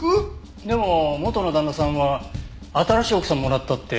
でも元の旦那さんは新しい奥さんもらったって聞きましたけど。